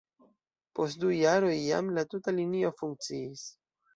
Post du jaroj jam la tuta linio funkciis.